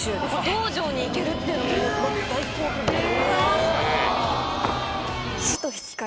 道場に行けるっていうのがもう大興奮で。